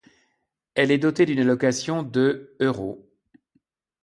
Elle est dotée d'une allocation de €.